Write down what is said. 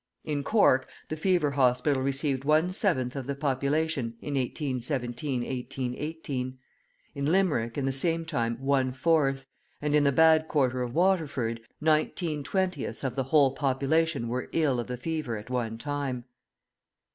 In Cork the fever hospital received one seventh of the population in 1817 1818, in Limerick in the same time one fourth, and in the bad quarter of Waterford, nineteen twentieths of the whole population were ill of the fever at one time.